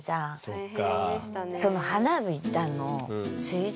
そっか。